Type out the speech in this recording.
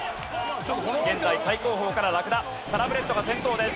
現在最後方からラクダサラブレッドが先頭です。